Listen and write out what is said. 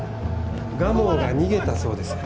蒲生が逃げたそうです。